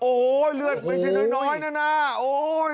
โอ้โฮเลือดไม่ใช่น้อยนะโอ้โฮ